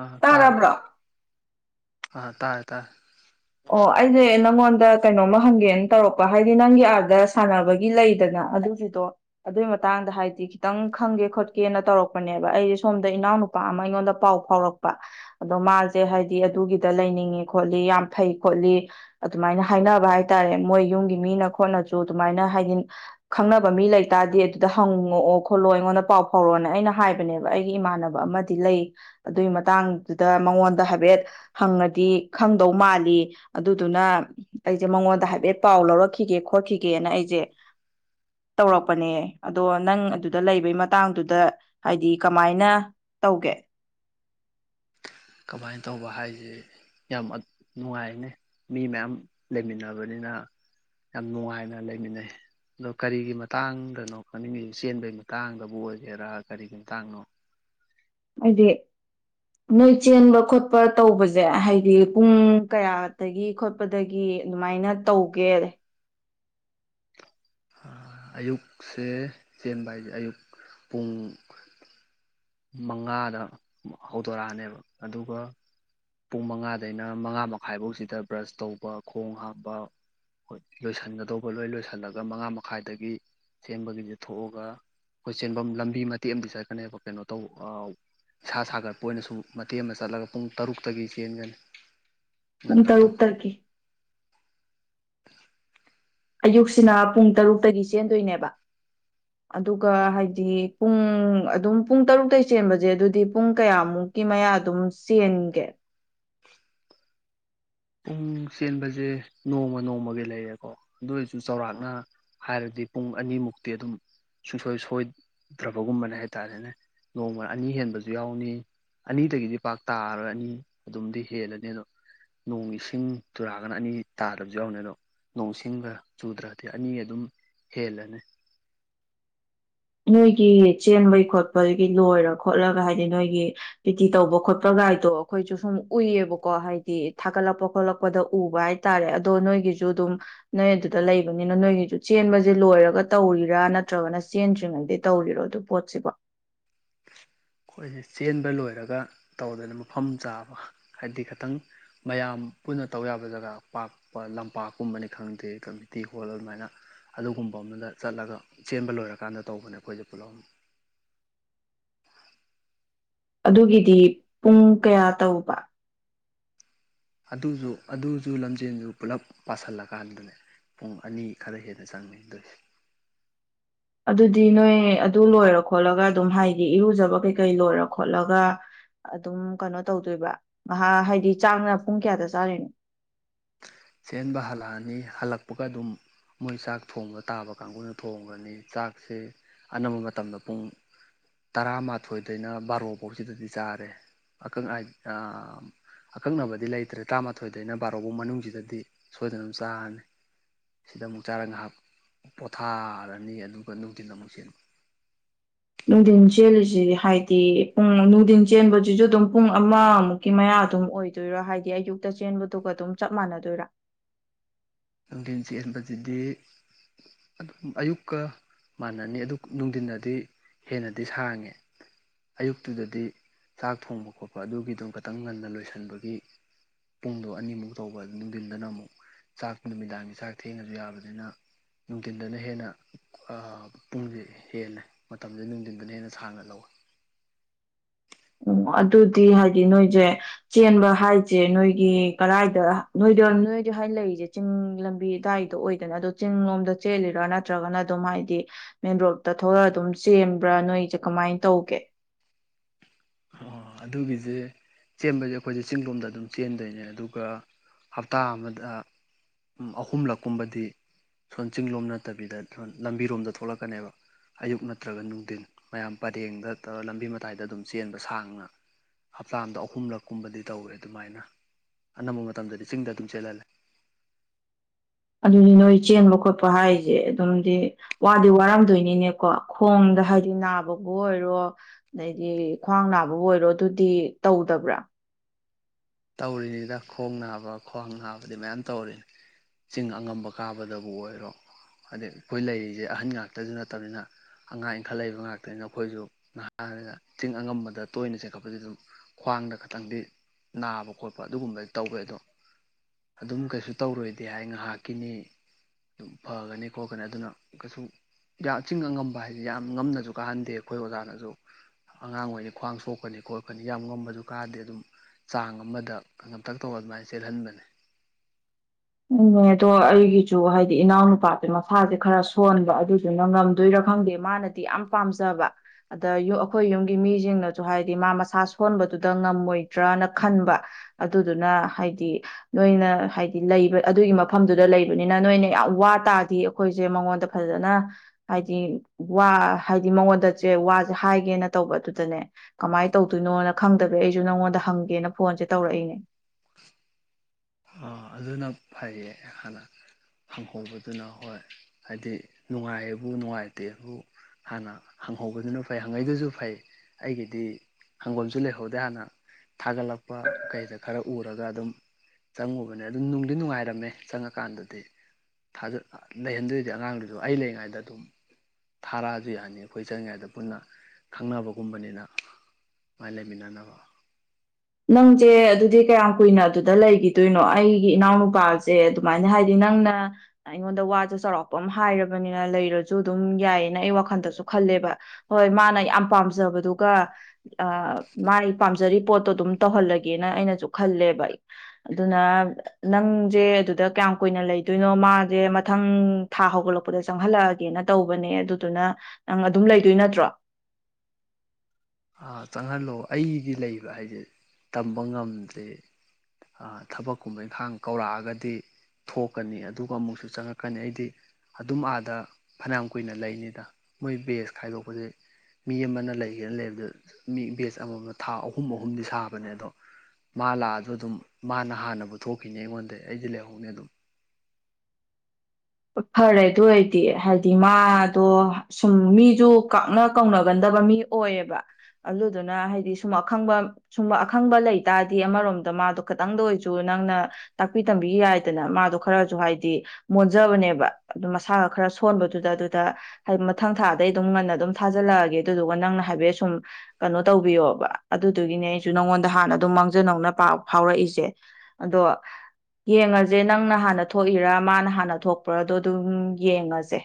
ꯑ ꯇꯔꯦ ꯇꯥꯔꯕ꯭ꯔꯣ ꯑꯥ ꯇꯥꯔꯦ ꯇꯥꯔꯦ ꯑꯣ ꯑꯩꯅꯦ ꯅꯉꯣꯟꯗ ꯀꯩꯅꯣꯝꯃ ꯍꯪꯒꯦꯅ ꯇꯧꯔꯛꯄ ꯍꯥꯏꯗꯤ ꯅꯪꯒꯤ ꯑꯥꯗ ꯁꯥꯟꯅꯕꯒꯤ ꯂꯩꯗꯅ ꯑꯗꯨꯒꯤꯗꯣ ꯑꯗꯨꯒꯤ ꯃꯇꯥꯡꯗ ꯍꯥꯏꯗꯤ ꯈꯤꯇꯪ ꯈꯪꯒꯦ ꯈꯣꯠꯀꯦꯅ ꯇꯧꯔꯛꯄꯅꯦꯕ ꯑꯩꯁꯦ ꯁꯣꯝꯗ ꯏꯅꯥꯎꯅꯨꯄꯥ ꯑꯃ ꯑꯩꯉꯣꯟꯗ ꯄꯥꯎ ꯐꯥꯎꯔꯛꯄ ꯑꯗꯣ ꯃꯥꯁꯦ ꯍꯥꯏꯗ ꯐꯩ ꯈꯣꯠꯂꯤ ꯑꯗꯨꯃꯥꯏꯅ ꯍꯥꯏꯅꯕ ꯍꯥꯏꯇꯥꯔꯦ ꯃꯣꯏ ꯌꯨꯝꯒꯤ ꯃꯤꯅ ꯈꯣꯠꯅꯁꯨ ꯑꯗꯨꯃꯥꯏꯅ ꯍꯥꯏꯗꯤ ꯈꯪꯅꯕ ꯃꯤ ꯂꯩꯇꯥꯔꯗꯤ ꯑꯗꯨꯗ ꯍꯪꯉꯛꯑꯣ ꯈꯣꯠꯂꯣ ꯑꯩꯉꯣꯟꯗ ꯄꯥꯎ ꯐꯥꯎꯔꯛꯑꯣꯅꯦ ꯑꯩꯅ ꯍꯥꯏꯕꯅꯦꯕ ꯑꯩꯒꯤ ꯏꯃꯥꯟꯅꯕ ꯑꯃꯗꯤ ꯂꯩ ꯑꯗꯨꯒꯤ ꯃꯇꯥꯡꯗꯨꯗ ꯃꯉꯣꯟꯗ ꯍꯥꯏꯐꯦꯠ ꯍꯪꯉꯗꯤ ꯈꯪꯗꯧ ꯃꯥꯜꯂꯤ ꯑꯗꯨꯗꯨꯅ ꯑꯩꯁꯦ ꯃꯉꯣꯟꯗ ꯍꯥꯏꯐꯦꯠ ꯄꯥꯎ ꯂꯧꯔꯛꯈꯤꯒꯦ ꯈꯣꯠꯈꯤꯒꯦꯅ ꯑꯩꯁꯦ ꯇꯧꯔꯛꯄꯅꯦ ꯑꯗꯣ ꯅꯪ ꯑꯗꯨꯗ ꯂꯩꯕꯩ ꯃꯇꯥꯡꯗꯨꯗ ꯍꯥꯏꯗꯤ ꯀꯃꯥꯏꯅ ꯇꯧꯒꯦ ꯀꯃꯥꯏꯅ ꯇꯧꯕ ꯍꯥꯏꯁꯤ ꯌꯥꯝ ꯑ ꯅꯨꯡꯉꯥꯏꯅꯤ ꯃꯤ ꯃꯌꯥꯝ ꯂꯩꯃꯤꯟꯅꯕꯅꯤꯅ ꯌꯥꯝ ꯅꯨꯡꯉꯥꯏꯅ ꯂꯩꯃꯤꯟꯅꯩ ꯑꯗꯣ ꯀꯔꯤꯒꯤ ꯃꯇꯥꯡꯗꯅꯣ ꯈꯪꯅꯤꯡꯉꯤꯗꯨ ꯆꯦꯟꯕꯒꯤ ꯃꯇꯥꯡꯗꯕꯨ ꯑꯣꯏꯒꯦꯔꯥ ꯀꯔꯤꯒꯤ ꯃꯇꯥꯡꯅꯣ ꯍꯥꯏꯗꯤ ꯅꯣꯏ ꯆꯦꯟꯕ ꯈꯣꯠꯄ ꯇꯧꯕꯖꯦ ꯍꯥꯏꯗꯤ ꯄꯨꯡ ꯀꯌꯥꯗꯒꯤ ꯈꯣꯠꯄꯗꯒꯤ ꯑꯗꯨꯃꯥꯏꯅ ꯇꯧꯒꯦ ꯑꯌꯨꯛꯁꯦ ꯆꯦꯟꯕ ꯍꯥꯏꯁꯦ ꯑꯌꯨꯛ ꯄꯨꯡ ꯃꯉꯥꯗ ꯍꯧꯗꯣꯔꯛ ꯑꯅꯦꯕ ꯑꯗꯨꯒ ꯄꯨꯡ ꯃꯉꯥꯗꯩꯅ ꯃꯉꯥ ꯃꯈꯥꯏ ꯐꯧꯁꯤꯗ ꯕ꯭ꯔꯁ ꯇꯧꯕ ꯈꯣꯡ ꯍꯥꯝꯕ ꯍꯣꯏ ꯂꯣꯏꯁꯤꯟꯒꯗꯧꯕ ꯂꯣꯏ ꯂꯣꯏꯁꯤꯜꯂꯒ ꯃꯉꯥ ꯃꯈꯥꯏꯗꯒꯤ ꯆ‌ꯦꯟꯕꯒꯤꯁ‌ꯦ ꯊ‌ꯣꯛꯑꯒ ꯑꯈ‌ꯣꯢ ꯆ‌ꯦꯟꯕꯝ ꯂꯝꯕꯤ ꯃꯇ‌ꯦꯛ ꯑꯃꯗꯤ ꯆꯠꯀꯅ‌ꯦꯕ ꯀꯩꯅ‌ꯣ ꯇꯧ ꯑ ꯏꯁꯥ ꯁꯥꯒꯠꯄ ꯑꯣꯏꯅꯁꯨ ꯃꯇꯦꯛ ꯑꯃ ꯆꯠꯂꯒ ꯄꯨꯡ ꯇꯔꯨꯛꯇꯒꯤ ꯆꯦꯟꯒꯅꯤ ꯄꯨꯡ ꯉꯟꯅ ꯑꯗꯨꯝ ꯇꯔꯨꯛꯇꯒꯤ [inaudible] ꯑꯌꯨꯛꯁꯤꯅ ꯄꯨꯡ ꯇꯔꯨꯛꯇꯒꯤ ꯆꯦꯟꯗꯣꯏꯅꯦꯕ ꯑꯗꯨꯒ ꯍꯥꯏꯗꯤ ꯄꯨꯡ ꯑꯗꯨꯝ ꯄꯨꯡ ꯇꯔꯨꯛꯇꯩ ꯆꯦꯟꯕꯁꯦ ꯑꯗꯨꯗꯤ ꯄꯨꯡ ꯀꯌꯥꯃꯨꯛꯀꯤ ꯃꯌꯥ ꯑꯗꯨꯝ ꯆꯦꯟꯒꯦ ꯄꯨꯡ ꯆꯦꯟꯕꯖꯦ ꯅꯣꯡꯃ ꯅꯣꯡꯃꯒꯤ ꯂꯩꯔꯦꯀꯣ ꯑꯗꯨ ꯑꯣꯏꯔꯁꯨ ꯆꯧꯔꯥꯛꯅ ꯍꯥꯏꯔꯗꯤ ꯄꯨꯡ ꯑꯅꯤꯃꯨꯛꯇꯤ ꯑꯗꯨꯝ ꯁꯨꯡꯁꯣꯏ ꯁꯣꯏꯗ꯭ꯔꯕꯒꯨꯝꯕꯅꯦ ꯍꯥꯏ ꯇꯥꯔꯦꯅꯦ ꯅꯣꯡꯃ ꯑꯅꯤ ꯍꯦꯟꯕꯁꯨ ꯌꯥꯎꯅꯤ ꯑꯅꯤꯗꯒꯤꯗꯤ ꯄꯥꯛ ꯇꯥꯔꯔꯣꯏ ꯑꯅꯤ ꯑꯗꯨꯝꯗꯤ ꯍꯦꯜꯂꯅꯤ ꯑꯗꯣ ꯅꯣꯡ ꯏꯁꯤꯡ ꯆꯨꯔꯛꯑꯒꯅ ꯑꯅꯤ ꯇꯥꯗꯕꯁꯨ ꯌꯥꯎꯅꯤ ꯑꯗꯣ ꯅꯣꯡ ꯏꯁꯤꯡꯒ ꯆꯨꯗ꯭ꯔꯗꯤ ꯑꯅꯤ ꯑꯗꯨꯝ ꯍꯦꯜꯂꯅꯤ ꯅꯣꯏꯒꯤ ꯆꯦꯟꯕꯒꯤ ꯈꯣꯠꯄꯒꯤ ꯂꯣꯏꯔ ꯈꯣꯠꯂꯒ ꯍꯥꯏꯗꯤ ꯅꯣꯏꯒꯤ ꯄꯤ ꯇꯤ ꯇꯧꯕ ꯈꯣꯠꯄꯒꯥꯏꯗꯣ ꯑꯈꯣꯏꯁꯨ ꯁꯨꯝ ꯎꯏꯌꯦꯕꯀꯣ ꯍꯥꯏꯗꯤ ꯊꯥꯒꯠꯂꯛꯄ ꯈꯣꯠꯂꯛꯄꯗ ꯎꯕ ꯍꯥꯏꯇꯥꯔꯦ ꯑꯗꯣ ꯅꯣꯏꯒꯤꯖꯨ ꯑꯗꯨꯝ ꯅꯣꯏ ꯑꯗꯨꯗ ꯂꯩꯕꯅꯤꯅ ꯅꯣꯏꯒꯤꯁꯨ ꯆꯦꯟꯕꯁꯦ ꯂꯣꯏꯔꯒ ꯇꯧꯔꯤꯔꯥ ꯅꯠꯇ꯭ꯔꯒꯅ ꯆꯦꯟꯗ꯭ꯔꯤ ꯉꯩꯗꯩ ꯇꯧꯔꯤꯔꯣ ꯑꯗꯨ ꯄꯣꯠꯁꯤꯕꯣ ꯑꯩꯈꯣꯏꯁꯦ ꯆꯦꯟꯕ ꯂꯣꯏꯔꯒ ꯇꯧꯗꯅ ꯃꯐꯝ ꯆꯥꯕ ꯍꯥꯏꯗꯤ ꯈꯤꯇꯪ ꯃꯌꯥꯝ ꯄꯨꯟꯅ ꯇꯧ ꯌꯥꯕ ꯖꯒꯥ ꯄꯥꯛꯄ ꯂꯝꯄꯥꯛꯀꯨꯝꯕꯅꯤ ꯈꯪꯗꯦ ꯀꯝꯃꯨꯅꯤꯇꯤ ꯍꯣꯜ ꯑꯗꯨꯃꯥꯏꯅ ꯑꯗꯨꯒꯨꯝꯕ ꯑꯃꯗ ꯆꯠꯂꯒ ꯆꯦꯟꯕ ꯂꯣꯏꯔꯀꯥꯟꯗ ꯇꯧꯕꯅꯦ ꯑꯩꯈꯣꯏꯁꯦ ꯄꯨꯂꯞ ꯑꯗꯨꯒꯤꯗꯤ ꯄꯨꯡ ꯀꯌꯥ ꯇꯧꯕ ꯑꯗꯨꯖꯨ ꯑꯗꯨꯖꯨ ꯂꯝꯖꯦꯟꯁꯨ ꯄꯨꯂꯞ ꯄꯥꯁꯤꯜꯂꯀꯥꯟꯗꯅꯦ ꯄꯨꯡ ꯑꯅꯤ ꯈꯔ ꯍꯦꯟꯅ ꯆꯪꯅꯤ ꯑꯗꯨ ꯑꯗꯨꯗꯤ ꯅꯣꯏ ꯑꯗꯨ ꯂꯣꯏꯔ ꯈꯣꯠꯂꯒ ꯑꯗꯨꯝ ꯍꯥꯏꯗꯤ ꯏꯔꯨꯖꯕ ꯀꯩꯀꯩ ꯂꯣꯏꯔ ꯈꯣꯠꯂꯒ ꯑꯗꯨꯝ ꯀꯩꯅꯣ ꯇꯧꯗꯣꯏꯕ ꯉꯍꯥꯛ ꯍꯥꯏꯗꯤ ꯆꯥꯛꯅ ꯄꯨꯡ ꯀꯌꯥꯗ ꯆꯥꯔꯤꯅꯣ ꯆꯦꯟꯕ ꯍꯜꯂꯛꯑꯅꯤ ꯍꯜꯂꯛꯄꯒ ꯑꯗꯨꯝ ꯃꯣꯏ ꯆꯥꯛ ꯊꯣꯡꯕ ꯇꯥꯕ ꯀꯥꯡꯕꯨꯅ ꯊꯣꯡꯈꯅꯤ ꯆꯥꯛꯁꯦ ꯑꯅꯝꯕ ꯃꯇꯝꯗ ꯄꯨꯡ ꯇꯔꯥꯃꯥꯊꯣꯏꯗꯩꯅ ꯕꯥꯔꯣꯐꯧꯁꯤꯗꯗꯤ ꯆꯥꯔꯦ ꯑꯀꯪ ꯑꯀꯛꯅꯕꯗꯤ ꯂꯩꯇ꯭ꯔꯦ ꯇꯔꯥꯃꯥꯊꯣꯏꯗꯩꯅ ꯕꯥꯔꯣꯕꯧ ꯃꯅꯨꯡꯁꯤꯗ ꯑꯗꯨꯗꯤ ꯁꯣꯏꯗꯅ ꯑꯃ ꯆꯥꯔꯅꯤ ꯁꯤꯗ ꯑꯃꯨꯛ ꯆꯥꯔꯒ ꯉꯥꯏꯍꯥꯛ ꯄꯣꯊꯥꯔꯅꯤ ꯑꯗꯨꯒ ꯅꯨꯡꯊꯤꯟ ꯑꯃꯨꯛ ꯆꯦꯟ ꯅꯨꯡꯗꯤꯟ ꯆꯦꯜꯂꯤꯁꯤ ꯍꯥꯏꯗꯤ ꯄꯨꯡ ꯅꯨꯡꯗꯤꯟ ꯆꯦꯟꯕꯁꯤꯁꯨ ꯑꯗꯨꯝ ꯄꯨꯡ ꯑꯃꯃꯨꯛꯀꯤ ꯃꯌꯥ ꯑꯗꯨꯝ ꯑꯣꯏꯗꯣꯏꯔꯥ ꯍꯥꯏꯗꯤ ꯑꯌꯨꯛꯇ ꯆꯦꯟꯕꯗꯨꯒ ꯑꯗꯨꯝ ꯆꯞ ꯃꯥꯟꯅꯗꯣꯏꯔꯥ ꯅꯨꯡꯗꯤꯟ ꯆꯦꯟꯕꯁꯤꯗꯤ ꯑꯗꯨꯝ ꯑꯌꯨꯛꯀ ꯃꯥꯟꯅꯅꯤ ꯑꯗꯨ ꯅꯨꯡꯗꯤꯟꯅꯗꯤ ꯍꯦꯟꯅꯗꯤ ꯁꯥꯡꯉꯦ ꯑꯌꯨꯛꯇꯨꯗꯗꯤ ꯆꯥꯛ ꯊꯣꯡꯕ ꯈꯣꯠꯄ ꯑꯗꯨꯒꯤꯗꯨꯝ ꯈꯤꯇꯪ ꯉꯟꯅ ꯂꯣꯏꯁꯤꯟꯕꯒꯤ ꯄꯨꯡꯗꯣ ꯑꯅꯤꯃꯨꯛ ꯇꯧꯕ ꯑꯗꯨ ꯅꯨꯡꯗꯤꯟꯗꯅ ꯑꯃꯨꯛ ꯆꯥꯛ ꯅꯨꯃꯤꯗꯥꯡꯒꯤ ꯆꯥꯛ ꯊꯦꯡꯉꯁꯨ ꯌꯥꯕꯅꯤꯅ ꯅꯨꯡꯗꯤꯟꯗꯅ ꯍꯦꯟꯅ ꯄꯨꯡꯁꯦ ꯍꯦꯜꯂꯦ ꯃꯇꯝꯁꯦ ꯅꯨꯡꯗꯤꯟꯗꯅ ꯍꯦꯟꯅ ꯁꯥꯡꯅ ꯂꯧꯋꯦ ꯎꯝ ꯑꯗꯨꯗꯤ ꯍꯥꯏꯗꯤ ꯅꯣꯏꯖꯦ ꯆꯦꯟꯕ ꯍꯥꯏꯖꯦ ꯅꯣꯏꯒꯤ ꯀꯗꯥꯏꯗ ꯅꯣꯏꯗ ꯅꯣꯏꯗ ꯍꯥꯏ ꯂꯩꯔꯤꯁꯦ ꯆꯤꯡ ꯂꯝꯕꯤ ꯑꯗꯥꯏꯗ ꯑꯣꯏꯗꯅ ꯑꯗꯣ ꯆꯤꯡ ꯂꯣꯝꯗ ꯆꯦꯜꯂꯤꯔꯥ ꯅꯠꯇ꯭ꯔꯒꯅ ꯑꯗꯨꯝ ꯍꯥꯏꯗꯤ ꯃꯦꯟ ꯔꯣꯗꯇ ꯊꯣꯛꯂ ꯑꯗꯨꯝ ꯆꯦꯟꯕ꯭ꯔꯥ ꯅꯣꯏꯖꯦ ꯀꯃꯥꯏꯅ ꯇꯧꯒꯦ ꯑꯗꯨꯒꯤꯖꯦ ꯆꯦꯟꯕꯖꯦ ꯑꯩꯈꯣꯏꯁꯦ ꯆꯤꯡꯂꯣꯝꯗ ꯑꯗꯨꯝ ꯆꯦꯟꯗꯣꯏꯅꯦ ꯑꯗꯨꯒ ꯍꯞꯇꯥ ꯑꯃꯗ ꯑꯍꯨꯝꯂꯛꯀꯨꯝꯕꯗꯤ ꯁꯣꯝ ꯆꯤꯡꯂꯣꯝ ꯅꯠꯇꯕꯤꯗ ꯁꯣꯝ ꯂꯝꯕꯤꯔꯣꯝꯗ ꯊꯣꯛꯂꯛꯀꯅꯦꯕ ꯑꯌꯨꯛ ꯅꯠꯇ꯭ꯔꯒ ꯅꯨꯡꯊꯤꯟ ꯃꯌꯥꯝ ꯄꯔꯦꯡꯗ ꯂꯝꯕꯤ ꯃꯇꯥꯏꯗ ꯑꯗꯨꯝ ꯆꯦꯟꯕ ꯁꯥꯡꯅ ꯍꯞꯇꯥ ꯑꯃꯗ ꯑꯍꯨꯝꯂꯛ ꯀꯨꯝꯕꯗꯤ ꯇꯧꯋꯦ ꯑꯗꯨꯃꯥꯏꯅ ꯑꯅꯝꯕ ꯃꯇꯝꯗꯗꯤ ꯆꯤꯡꯗ ꯑꯗꯨꯝ ꯆꯦꯜꯍꯜꯂꯦ ꯑꯗꯨꯗꯤ ꯅꯣꯏ ꯆꯦꯟꯕ ꯈꯣꯠꯄ ꯍꯥꯏꯖꯦ ꯑꯗꯨꯝꯗꯤ ꯋꯥꯗꯤ ꯋꯥꯔꯝꯗꯣꯏꯅꯤꯅꯦꯀꯣ ꯈꯣꯡꯗ ꯍꯥꯏꯗꯤ ꯅꯥꯕꯕꯨ ꯑꯣꯏꯔꯣ ꯑꯗꯩꯗꯤ ꯈ꯭ꯋꯥꯡ ꯅꯥꯕꯕꯨ ꯑꯣꯏꯔꯣ ꯑꯗꯨꯗꯤ ꯇꯧꯗꯕ꯭ꯔꯥ ꯇꯧꯔꯤꯅꯤꯗꯅ ꯈꯣꯡ ꯅꯥꯕ ꯈ꯭ꯋꯥꯡ ꯅꯥꯕꯗꯤ ꯃꯌꯥꯝ ꯇꯧꯔꯤ ꯆꯤꯡ ꯑꯉꯝꯕ ꯀꯥꯕꯗꯕꯨ ꯑꯣꯏꯔꯣ ꯍꯥꯏꯗꯤ ꯑꯈꯣꯏ ꯂꯩꯔꯤꯁꯦ ꯑꯍꯟ ꯉꯥꯛꯇꯁꯨ ꯅꯠꯇꯕꯅꯤꯅ ꯑꯉꯥꯡ ꯏꯟꯈꯠ ꯂꯩꯕ ꯉꯥꯛꯇꯅꯤꯅ ꯑꯩꯈꯣꯏꯁꯨ ꯅꯍꯥꯅꯤꯅ ꯆꯤꯡ ꯑꯉꯝꯕꯗ ꯇꯣꯏꯅ ꯆꯦꯟꯈꯠꯄꯁꯤ ꯑꯗꯨꯝ ꯈ꯭ꯋꯥꯡꯗ ꯈꯇꯪꯗꯤ ꯅꯥꯕ ꯈꯣꯠꯄ ꯑꯗꯨꯒꯨꯝꯕ ꯇꯧꯋꯦ ꯑꯗꯣ ꯑꯗꯨꯝ ꯀꯩꯁꯨ ꯇꯧꯔꯣꯏꯗꯦ ꯍꯥꯏ ꯉꯥꯏꯍꯥꯛꯀꯤꯅꯤ ꯑꯗꯨꯝ ꯐꯒꯅꯤ ꯈꯣꯠꯀꯅꯤ ꯑꯗꯨꯅ ꯀꯩꯁꯨ ꯆꯤꯡ ꯑꯉꯝꯕ ꯍꯥꯏꯗꯤ ꯌꯥꯝ ꯉꯝꯅꯁꯨ ꯀꯥꯍꯟꯗꯦ ꯑꯩꯈꯣꯏ ꯑꯣꯖꯥꯅꯁꯨ ꯑꯉꯥꯡ ꯑꯣꯏꯔꯤ ꯈ꯭ꯋꯥꯡ ꯁꯣꯛꯀꯅꯤ ꯈꯣꯠꯀꯅꯤ ꯌꯥꯝ ꯉꯝꯕꯁꯨ ꯀꯥꯗꯦ ꯑꯗꯨꯝ ꯆꯥꯡ ꯑꯃꯗ ꯉꯝꯇꯛ ꯇꯧꯕ ꯑꯗꯨꯃꯥꯏꯅ ꯆꯦꯜꯍꯟꯕꯅꯤ ꯎꯅꯦ ꯑꯗꯣ ꯑꯩꯒꯤꯖꯨ ꯍꯥꯏꯗꯤ ꯏꯅꯥꯎ ꯅꯨꯨꯄꯥꯁꯦ ꯃꯁꯥꯖꯦ ꯈꯔ ꯁꯣꯟꯕ ꯑꯗꯨꯗꯨꯅ ꯉꯝꯗꯣꯏꯔꯥ ꯈꯪꯗꯦ ꯃꯥꯅꯗꯤ ꯌꯥꯝ ꯄꯥꯝꯖꯕ ꯑꯗ ꯑꯩꯈꯣꯏ ꯌꯨꯝꯒꯤ ꯃꯤꯖꯤꯡꯅꯖꯨ ꯍꯥꯏꯗꯤ ꯃꯥ ꯃꯁꯥ ꯁꯣꯟꯕꯗꯨꯗ ꯉꯝꯃꯣꯏꯗ꯭ꯔꯅ ꯈꯟꯕ ꯑꯗꯨꯗꯨꯅ ꯍꯥꯏꯗꯤ ꯅꯣꯏꯅ ꯍꯥꯏꯗꯤ ꯂꯩꯕ ꯑꯗꯨꯒꯤ ꯃꯐꯝꯗꯨꯗ ꯂꯩꯕꯅꯤꯅ ꯅꯣꯏꯅ ꯌꯥꯝ ꯋꯥ ꯇꯥꯗꯤ ꯑꯩꯈꯣꯏꯖꯦ ꯃꯉꯣꯟꯗ ꯐꯖꯅ ꯍꯥꯏꯗꯤ ꯋꯥ ꯍꯥꯏꯗꯤ ꯃꯉꯣꯟꯗꯖꯦ ꯋꯥꯖꯦ ꯍꯥꯏꯒꯦꯅ ꯇꯧꯕ ꯑꯗꯨꯗꯅꯦ ꯀꯃꯥꯏ ꯇꯧꯗꯣꯏꯅꯣꯅ ꯈꯪꯗꯕꯩ ꯑꯩꯖꯨ ꯅꯉꯣꯟꯗ ꯍꯪꯒꯦꯅ ꯐꯣꯟꯖꯦ ꯇꯧꯔꯛꯏꯅꯦ ꯑ ꯑꯗꯨꯅ ꯐꯩꯌꯦ ꯍꯥꯟꯅ ꯍꯪꯍꯧꯕꯗꯨꯅ ꯍꯣꯏ ꯍꯥꯏꯗꯤ ꯅꯨꯡꯉꯥꯏꯕꯨ ꯅꯨꯡꯉꯥꯏꯇꯦꯕꯨ ꯍꯥꯟꯅ ꯍꯪꯍꯧꯕꯗꯨꯅ ꯐꯩ ꯍꯪꯉꯩꯗꯨꯁꯨ ꯐꯩ ꯑꯩꯒꯤꯗꯤ ꯍꯪꯕꯝꯁꯨ ꯂꯩꯍꯧꯗꯦ ꯍꯥꯟꯅ ꯊꯥꯒꯠꯂꯛꯄ ꯀꯩꯗ ꯈꯔ ꯎꯔꯒ ꯑꯗꯨꯝ ꯆꯪꯉꯨꯕꯅꯦ ꯑꯗꯨ ꯅꯨꯡꯗꯤ ꯅꯨꯡꯉꯥꯏꯔꯝꯃꯦ ꯆꯪꯡꯉꯀꯥꯟꯗꯗꯤ ꯂꯩꯍꯟꯗꯣꯏꯗꯤ ꯑꯉꯥꯡꯗꯨꯁꯨ ꯑꯩ ꯂꯩꯔꯤꯉꯩꯗ ꯑꯗꯨꯝ ꯊꯥꯔꯛꯑꯖꯨ ꯌꯥꯅꯤ ꯑꯩꯈꯣꯏ ꯆꯪꯂꯤꯉꯩꯗ ꯄꯨꯟꯅ ꯈꯪꯅꯕꯒꯨꯝꯕꯅꯤꯅ ꯁꯃꯥꯏꯅ ꯂꯩꯃꯤꯟꯅꯅꯕ ꯅꯪꯖꯦ ꯑꯗꯨꯗꯤ ꯀꯌꯥꯝ ꯀꯨꯏꯅ ꯑꯗꯨꯗ ꯂꯩꯒꯤꯗꯣꯏꯅꯣ ꯑꯩꯒꯤ ꯏꯅꯥꯎꯅꯨꯄꯥꯁꯦ ꯑꯗꯨꯃꯥꯏꯅ ꯍꯥꯏꯗꯤ ꯅꯪꯅ ꯑꯩꯉꯣꯟꯗ ꯋꯥꯖꯨ ꯆꯥꯎꯔꯥꯛꯄ ꯑꯃ ꯍꯥꯏꯔꯕꯅꯤꯅ ꯂꯩꯔꯁꯨ ꯑꯗꯨꯝ ꯌꯥꯏꯌꯦꯅ ꯑꯩ ꯋꯥꯈꯟꯗꯁꯨ ꯈꯜꯂꯦꯕ ꯍꯣꯏ ꯃꯥꯅ ꯌꯥꯝ ꯄꯥꯝꯖꯕꯗꯨꯒ ꯃꯥꯒꯤ ꯄꯥꯝꯖꯔꯤ ꯄꯣꯠꯇꯣ ꯑꯗꯨꯝ ꯇꯧꯍꯜꯂꯒꯦꯅ ꯑꯩꯅꯖꯨ ꯈꯜꯂꯦꯕ ꯑꯗꯨꯅ ꯅꯪꯖꯦ ꯑꯗꯨꯗ ꯀꯌꯥꯝ ꯀꯨꯏꯅ ꯂꯩꯗꯣꯏꯅꯣ ꯃꯥꯖꯦ ꯃꯊꯪ ꯊꯥ ꯍꯧꯒꯠꯂꯛꯄꯗ ꯆꯪꯍꯜꯂꯛꯑꯒꯦꯅ ꯇꯧꯕꯅꯦ ꯑꯗꯨꯗꯨꯅ ꯅꯪ ꯑꯗꯨꯝ ꯂꯩꯗꯣꯏ ꯅꯠꯇ꯭ꯔꯣ ꯑ ꯆꯪꯍꯜꯂꯣ ꯑꯩꯗꯤ ꯂꯩꯕ ꯍꯥꯏꯖꯦ ꯇꯝꯕ ꯉꯝꯗꯦ ꯊꯕꯛꯀꯨꯝꯕ ꯏꯪꯈꯥꯡ ꯀꯧꯔꯛꯑꯒꯗꯤ ꯊꯣꯛꯀꯅꯤ ꯑꯗꯨꯒ ꯑꯃꯨꯛꯁꯨ ꯆꯪꯉꯛꯀꯅꯤ ꯑꯩꯗꯤ ꯑꯗꯨꯝ ꯑꯥꯗ ꯐꯅꯌꯥꯝ ꯀꯨꯏꯅ ꯂꯩꯅꯤꯗ ꯃꯣꯏ ꯕꯦꯁ ꯈꯥꯏꯗꯣꯛꯄꯁꯦ ꯃꯤ ꯑꯃꯅ ꯂꯩꯒꯦꯅ ꯂꯩꯕ ꯑꯗꯨ ꯃꯤ ꯕꯦꯖ ꯑꯃꯃꯝ ꯊꯥ ꯑꯍꯨꯝ ꯑꯍꯨꯝꯗꯤ ꯁꯥꯕꯅꯦ ꯑꯗꯣ ꯃꯥ ꯂꯥꯛꯑꯖꯨ ꯑꯗꯨꯝ ꯃꯥꯅ ꯍꯥꯟꯅꯕꯨ ꯊꯣꯛꯈꯤꯅꯤ ꯑꯩꯉꯣꯟꯗ ꯑꯩꯗꯤ ꯂꯩꯍꯧꯅꯤ ꯑꯗꯨꯝ ꯐꯔꯦ ꯑꯗꯨ ꯑꯣꯏꯗꯤ ꯍꯥꯏꯗꯤ ꯃꯥꯗꯣ ꯁꯨꯝ ꯃꯤꯖꯨ ꯀꯛꯅ ꯀꯧꯅꯒꯟꯗꯕ ꯃꯤ ꯑꯣꯏꯌꯦꯕ ꯑꯗꯨꯗꯨꯅ ꯍꯥꯏꯗꯤ ꯁꯨꯝ ꯑꯈꯪꯕ ꯁꯨꯝꯕ ꯑꯈꯪꯕ ꯂꯩ ꯇꯥꯔꯗꯤ ꯑꯃꯔꯣꯝꯗ ꯃꯥꯗꯣ ꯈꯤꯇꯪꯗ ꯑꯣꯏꯖꯨ ꯅꯪꯅ ꯇꯥꯛꯄꯤ ꯇꯝꯕꯤ ꯌꯥꯏꯗꯅ ꯃꯥꯗꯣ ꯈꯔꯖꯨ ꯍꯥꯏꯗꯤ ꯐꯖꯕꯅꯦꯕ ꯑꯗꯨ ꯃꯁꯥꯒ ꯈꯔ ꯁꯣꯟꯕꯗꯨꯗ ꯑꯗꯨꯗ ꯍꯥꯏ ꯃꯊꯪ ꯊꯥꯗꯩ ꯑꯗꯨꯝ ꯉꯟꯅ ꯑꯗꯨꯝ ꯊꯥꯖꯜꯂꯛꯑꯒꯦ ꯑꯗꯨꯗꯨꯒ ꯅꯪꯅ ꯍꯥꯏꯐꯦꯠ ꯁꯨꯝ ꯀꯩꯅꯣ ꯇꯧꯕꯤꯌꯣꯕ ꯑꯗꯨꯗꯨꯒꯤꯅꯦ ꯑꯩꯁꯨ ꯅꯪꯉꯣꯟꯗ ꯍꯥꯟꯅ ꯑꯗꯨꯝ ꯃꯥꯡꯖꯧ ꯅꯧꯅ ꯄꯥꯎ ꯐꯥꯎꯔꯛꯏꯁꯦ ꯑꯗꯣ ꯌꯦꯡꯉꯁꯦ ꯅꯪꯅ ꯍꯥꯟꯅ ꯊꯣꯛꯏꯔ ꯃꯥꯅ ꯍꯥꯟꯅ ꯄꯨꯊꯣꯛꯄ꯭ꯔꯥꯗꯣ ꯑꯗꯨꯝ ꯌꯦꯡꯉꯁꯦ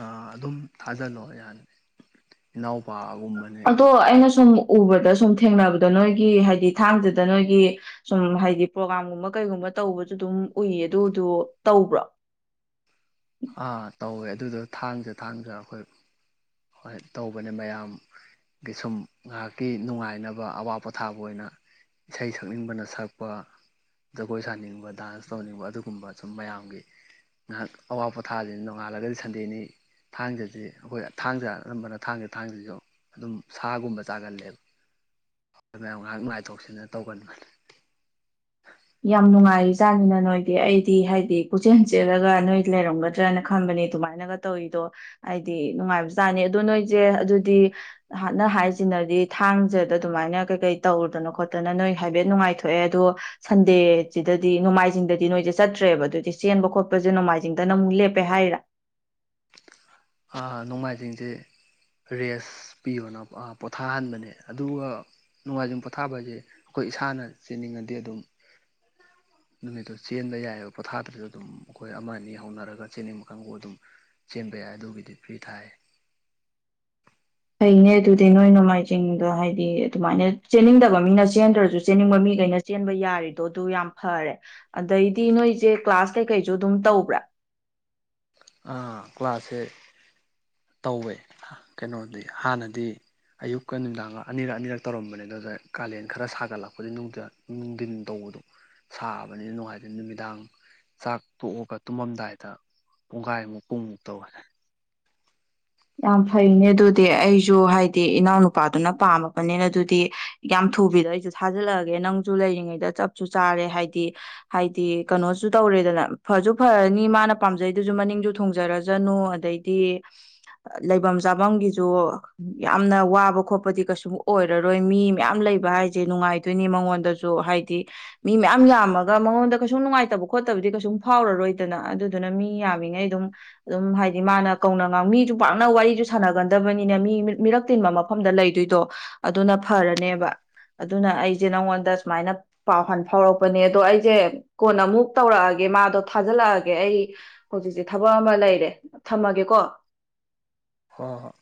ꯑ ꯑꯗꯨꯝ ꯊꯥꯖꯤꯜꯂꯣ ꯌꯥꯅꯤ ꯏꯅꯥꯎ ꯑꯗꯣ ꯑꯩꯅ ꯁꯨꯝ ꯎꯕꯗ ꯁꯨꯝ ꯊꯦꯡꯅꯕꯗ ꯅꯣꯏꯒꯤ ꯍꯥꯏꯗꯤ ꯊꯥꯡꯖꯗ ꯅꯣꯏꯒꯤ ꯁꯨꯝ ꯍꯥꯏꯗꯤ ꯄ꯭ꯔꯣꯒꯥ꯭ꯔꯝꯒꯨꯝꯕ ꯀꯩꯒꯨꯝꯕ ꯇꯧꯕꯖꯨ ꯑꯗꯨꯝ ꯎꯏꯌꯦ ꯑꯗꯨꯗ ꯇꯧꯕ꯭ꯔꯥ ꯑ ꯇꯧꯋꯦ ꯑꯗꯨꯗꯣ ꯊꯥꯡꯖ ꯊꯥꯡꯖ ꯑꯩꯈꯣꯏ ꯍꯣꯏ ꯇꯧꯕꯅꯦ ꯃꯌꯥꯝꯒꯤ ꯁꯨꯝ ꯉꯥꯏꯍꯥꯛꯀꯤ ꯅꯨꯡꯉꯥꯏꯅꯕ ꯑꯋꯥ ꯄꯣꯊꯥꯕ ꯑꯣꯏꯅ ꯏꯁꯩ ꯁꯛꯅꯤꯡꯕꯅ ꯁꯛꯄ ꯖꯒꯣꯏ ꯁꯥꯅꯤꯡꯕ ꯗꯥꯟꯁ ꯇꯧꯅꯤꯡꯕ ꯑꯗꯨꯒꯨꯝꯕ ꯁꯨꯝ ꯃꯌꯥꯝꯒꯤ ꯉꯥꯏꯍꯥꯛ ꯑꯋꯥ ꯄꯣꯊꯥ ꯍꯜꯂꯤꯅ ꯅꯣꯡꯉꯥꯜꯂꯒꯗꯤ ꯁꯟꯗꯦꯅꯤ ꯊꯥꯡꯖꯁꯤ ꯑꯩꯈꯣꯏ ꯊꯥꯡꯖ ꯑꯅꯝꯕꯅ ꯊꯥꯡꯖ ꯊꯥꯡꯁꯤꯁꯨ ꯑꯗꯨꯝ ꯁꯥꯒꯨꯝꯕ ꯆꯥꯒꯜꯂꯦꯕ ꯃꯌꯥꯝ ꯉꯥꯏꯍꯥꯛ ꯅꯨꯡꯉꯥꯏꯊꯣꯛꯁꯤꯅ ꯇꯧꯒꯟꯕꯅꯤ ꯌꯥꯝ ꯅꯨꯡꯉꯥꯏꯔꯤꯖꯥꯠꯅꯤꯅ ꯅꯣꯏꯗꯤ ꯑꯩꯗꯤ ꯍꯥꯏꯗꯤ ꯄꯨꯆꯦꯟ ꯆꯦꯜꯂꯒ ꯅꯣꯏ ꯂꯩꯔꯝꯒꯗ꯭ꯔꯅ ꯈꯟꯕꯅꯦ ꯑꯗꯨꯃꯥꯏꯅꯒ ꯇꯧꯔꯤꯗꯣ ꯍꯥꯏꯗꯤ ꯅꯨꯡꯉꯥꯏꯕꯖꯥꯠꯅꯤ ꯑꯗꯣ ꯅꯣꯏꯖꯦ ꯑꯗꯨꯗꯤ ꯍꯥꯟꯅ ꯍꯥꯏꯁꯤꯅꯗꯤ ꯊꯥꯡꯖꯗ ꯑꯗꯨꯃꯥꯏꯅ ꯀꯩꯀꯩ ꯇꯧꯔꯨꯗꯅ ꯈꯣꯠꯇꯅ ꯅꯣꯏ ꯍꯥꯏꯐꯦꯠ ꯅꯨꯡꯉꯥꯏꯊꯣꯛꯑꯦ ꯑꯗꯣ ꯁꯟꯗꯦꯖꯤꯗꯗꯤ ꯅꯣꯡꯃꯥꯏꯖꯤꯡꯗꯗꯤ ꯅꯣꯏꯖꯦ ꯆꯠꯇ꯭ꯔꯦꯕ ꯑꯗꯨꯏꯗꯤ ꯆꯦꯟꯕ ꯈꯣꯠꯄꯁꯦ ꯅꯣꯡꯃꯥꯏꯖꯤꯡꯗꯅ ꯑꯃꯨꯛ ꯂꯦꯞꯄꯦ ꯍꯥꯏꯔꯥ ꯑ ꯅꯣꯡꯃꯥꯏꯖꯤꯡꯖꯤ ꯔꯦꯁ ꯄꯤꯌꯣꯅ ꯄꯣꯊꯥꯍꯟꯕꯅꯦ ꯑꯗꯨꯒ ꯅꯣꯡꯃꯥꯏꯖꯤꯡ ꯄꯣꯊꯥꯕ ꯍꯥꯏꯁꯦ ꯑꯩꯈꯣꯏ ꯏꯁꯥꯅ ꯆꯦꯟꯅꯤꯡꯉꯗꯤ ꯑꯗꯨꯝ ꯅꯨꯃꯤꯠꯇꯨ ꯆꯦꯟꯕ ꯌꯥꯏꯑꯕ ꯄꯣꯊꯥꯗ꯭ꯔꯁꯨ ꯑꯗꯨꯝ ꯑꯩꯈꯣꯏ ꯑꯃ ꯑꯅꯤ ꯍꯧꯅꯔꯒ ꯆꯦꯅꯤꯡꯕ ꯀꯥꯡꯕꯨ ꯑꯗꯨꯝ ꯆꯦꯟꯕ ꯌꯥꯏ ꯑꯗꯨꯒꯤꯗꯤ ꯐ꯭ꯔꯤ ꯊꯥꯏ ꯆꯤꯡꯅꯦ ꯑꯗꯨꯗꯤ ꯅꯣꯏ ꯅꯣꯡꯃꯥꯏꯖꯤꯡꯗ ꯍꯥꯏꯗꯤ ꯑꯗꯨꯃꯥꯏꯅ ꯆꯦꯟꯅꯤꯡꯗꯕ ꯃꯤꯅ ꯆꯦꯟꯗ꯭ꯔꯁꯨ ꯆꯦꯟꯅꯤꯡꯕ ꯃꯤꯈꯩꯅ ꯆꯦꯟꯕ ꯌꯥꯔꯤꯗꯣ ꯑꯗꯨ ꯌꯥꯝ ꯐꯔꯦ ꯑꯗꯩꯗꯤ ꯅꯣꯏꯁꯦ ꯀ꯭ꯂꯥꯁ ꯀꯩꯀꯩꯁꯨ ꯑꯗꯨꯝ ꯇꯧꯕ꯭ꯔꯥ ꯀ꯭ꯂꯥꯁꯁꯦ ꯇꯧꯌꯦ ꯀꯩꯅꯣꯗꯤ ꯍꯥꯟꯅꯗꯤ ꯑꯌꯨꯛꯀ ꯅꯨꯃꯤꯗꯥꯡ ꯑꯅꯤꯔꯛ ꯑꯅꯤꯔꯛ ꯇꯧꯔꯝꯕꯅꯤ ꯑꯗꯨꯗ ꯀꯥꯂꯦꯟ ꯈꯔ ꯁꯥꯒꯠꯂꯛꯄꯗꯤ ꯅꯨꯡꯗꯥ ꯅꯨꯡꯗꯤꯟ ꯇꯧꯕꯗꯣ ꯁꯥꯕꯅꯤꯅ ꯅꯨꯡꯉꯥꯏꯇꯅꯦ ꯅꯨꯃꯤꯗꯥꯡ ꯆꯥꯛ ꯇꯣꯛꯑꯒ ꯇꯨꯝꯃꯝꯗꯥꯏꯗ ꯄꯨꯡꯒꯥꯏꯃꯨꯛ ꯄꯨꯡꯃꯨꯛ ꯇꯧꯌꯦ ꯌꯥꯝ ꯐꯩꯅꯦ ꯑꯗꯨꯗꯤ ꯑꯩꯁꯨ ꯍꯥꯏꯗꯤ ꯏꯅꯥꯎꯅꯨꯄꯥꯗꯨꯅ ꯄꯥꯝꯃꯕꯅꯤꯅ ꯑꯗꯨꯗꯤ ꯌꯥꯝ ꯊꯨꯕꯤꯗ ꯑꯩꯁꯨ ꯊꯥꯖꯤꯜꯂꯛꯑꯒꯦ ꯅꯪꯁꯨ ꯂꯩꯔꯤꯉꯩꯗ ꯆꯞꯁꯨ ꯆꯥꯔꯦ ꯍꯥꯏꯗꯤ ꯍꯥꯏꯗꯤ ꯀꯅꯣꯁꯨ ꯇꯧꯔꯦꯗꯅ ꯐꯁꯨ ꯐꯔꯅꯤ ꯃꯥꯅ ꯄꯥꯝꯖꯩꯗꯨꯁꯨ ꯃꯅꯤꯡꯁꯨ ꯊꯨꯡꯖꯔꯖꯅꯨ ꯑꯗꯩꯗꯤ ꯂꯩꯐꯝ ꯆꯥꯐꯝꯒꯤꯁꯨ ꯌꯥꯝꯅ ꯋꯥꯕ ꯈꯣꯠꯄꯗꯤ ꯀꯩꯁꯨꯝ ꯑꯣꯏꯔꯔꯣꯏ ꯃꯤ ꯃꯌꯥꯝ ꯂꯩꯕ ꯍꯥꯏꯁꯦ ꯅꯨꯡꯉꯥꯏꯗꯣꯏꯅꯤ ꯃꯉꯣꯟꯗꯁꯨ ꯍꯥꯏꯗꯤ ꯃꯤ ꯃꯌꯥꯝ ꯌꯥꯝꯃꯒ ꯃꯉꯣꯟꯗ ꯀꯩꯁꯨꯝ ꯅꯨꯡꯉꯥꯏꯇꯕ ꯈꯣꯠꯇꯕꯗꯤ ꯀꯩꯁꯨꯝ ꯐꯥꯎꯔꯔꯣꯏꯗꯅ ꯑꯗꯨꯗꯨꯅ ꯃꯤ ꯌꯥꯝꯃꯤꯉꯩ ꯑꯗꯨꯝ ꯑꯗꯨꯝ ꯍꯥꯏꯗꯤ ꯃꯥꯅ ꯀꯧꯅ ꯉꯥꯡꯅ ꯃꯤꯖꯨ ꯄꯥꯛꯅ ꯋꯥꯔꯤꯁꯨ ꯁꯥꯟꯅꯒꯟꯗꯕꯅꯤꯅꯦ ꯃꯤ ꯃꯤꯔꯛ ꯇꯤꯟꯕ ꯃꯐꯝꯗ ꯂꯩꯗꯣꯏꯗꯣ ꯑꯗꯨꯅ ꯐꯔꯅꯦꯕ ꯑꯗꯨꯅ ꯑꯩꯁꯦ ꯅꯪꯉꯣꯟꯗ ꯁꯨꯃꯥꯏꯅ ꯄꯥꯎ ꯍꯟ ꯐꯥꯎꯔꯛꯄꯅꯦ ꯑꯗꯣ ꯑꯩꯁꯦ ꯀꯣꯟꯅ ꯑꯃꯨꯛ ꯇꯧꯔꯛꯑꯒꯦ ꯃꯥꯗꯣ ꯊꯥꯖꯤꯜꯂꯛꯑꯒꯦ ꯑꯩ ꯍꯧꯖꯤꯛꯁꯦ ꯊꯕꯛ ꯑꯃ ꯂꯩꯔꯦ ꯊꯝꯃꯒꯦꯀꯣ ꯍ‌ꯣ ꯍꯣꯏ